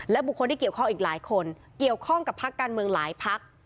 บุคคลที่เกี่ยวข้องอีกหลายคนเกี่ยวข้องกับพักการเมืองหลายพัก